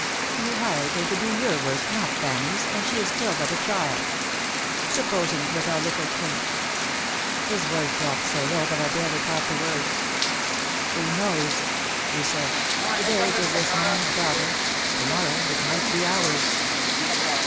You hired her to do your work, not Fannie's, and she is still but a child. Supposing it was our little Tynke !" His voice dropped so low that I barely caught the words: "Who knows," he said, "to day, it is this man's daughter; to morrow, it might be ours."